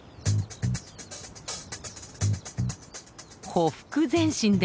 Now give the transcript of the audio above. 「ほふく前進」です。